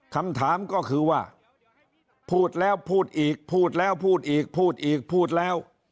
คำถามก็คือว่าพูดแล้วพูดอีกพูดแล้วพูดอีกพูดอีกพูดแล้ว